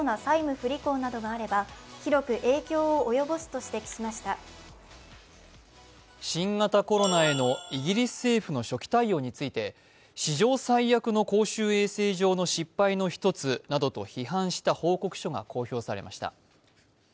新型コロナへのイギリス政府の初期対応について新型コロナへのイギリス政府の初期対応について史上最悪の公衆衛生上の失敗の一つなどと批判した報告書が公表されました。